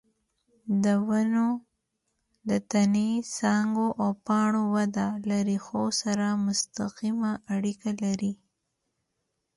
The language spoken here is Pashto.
د ونو د تنې، څانګو او پاڼو وده له ریښو سره مستقیمه اړیکه لري.